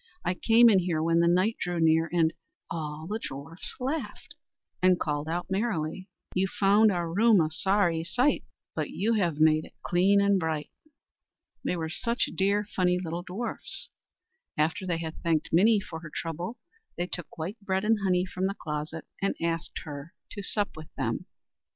I came in here when the night drew near, and " Here all the dwarfs laughed, and called out merrily: "You found our room a sorry sight, But you have made it clean and bright." They were such dear funny little dwarfs! After they had thanked Minnie for her trouble, they took white bread and honey from the closet and asked her to sup with them.